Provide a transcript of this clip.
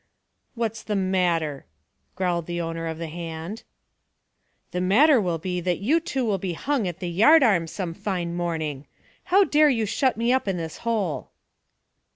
"What's the matter?" growled the owner of the hand. "The matter will be that you two will be hung at the yardarm some fine morning. How dare you shut me up in this hole?"